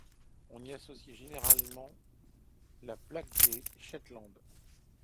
On y associe généralement la plaque des Shetland.